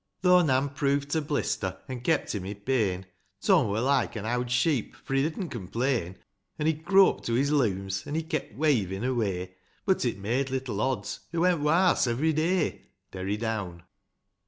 IX. Though Nan prove't a blister, an' kept him i' pain, Tom wur like an owd sheep, for he didn't complain : An' he crope to his looms, an' kept weighvin' away ; But, it made little odds, hoo went warse ev'ry day. Derry down.